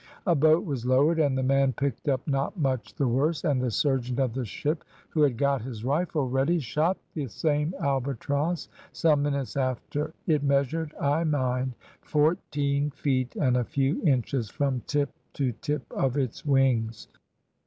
A boat was lowered, and the man picked up not much the worse; and the surgeon of the ship, who had got his rifle ready, shot the same albatross some minutes after. It measured, I mind, fourteen feet and a few inches from tip to tip of its wings."